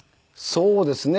そうですね。